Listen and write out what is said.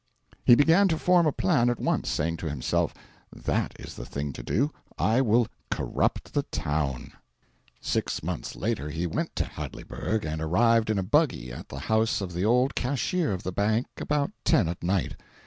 He began to form a plan at once, saying to himself "That is the thing to do I will corrupt the town." Six months later he went to Hadleyburg, and arrived in a buggy at the house of the old cashier of the bank about ten at night.